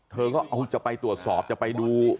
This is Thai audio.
เธอก็เอาจะไปตรวจสอบจะไปดู